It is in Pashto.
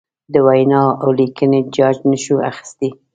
د وینا اولیکنې جاج نشو اخستی.